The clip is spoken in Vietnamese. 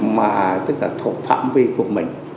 mà tất cả phạm vi của mình